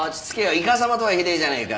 いかさまとはひでえじゃねえか。